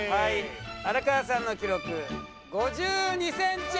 荒川さんの記録５２センチ。